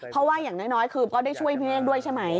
เพราะว่าอย่างน้อยคือก็ได้ช่วยพี่เมฆด้วยใช่ไหม